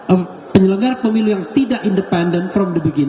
ada penyelenggara pemilu yang tidak independen dari awal